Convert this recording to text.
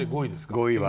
５位は。